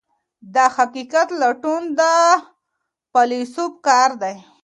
د حقیقت لټون د فیلسوف کار دی.